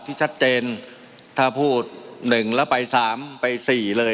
ที่ชัดเจนถ้าพูด๑แล้วไป๓ไป๔เลย